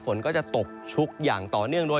ฝนก็จะตกชุกอย่างต่อเนื่องด้วย